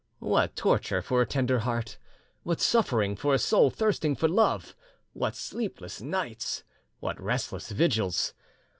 What torture for a tender heart! What suffering for a soul thirsting for love! What sleepless nights! What restless vigils!